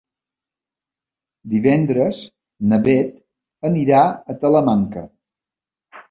Divendres na Bet anirà a Talamanca.